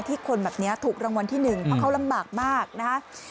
คนแบบนี้ถูกรางวัลที่๑เพราะเขาลำบากมากนะคะ